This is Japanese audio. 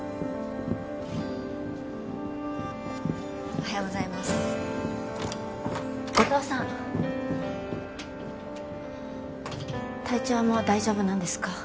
おはようございます後藤さん体調はもう大丈夫なんですか？